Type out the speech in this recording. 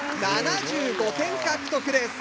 ７５点獲得です。